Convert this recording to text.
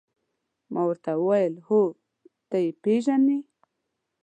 ما ورته وویل: هو، ته يې پېژنې؟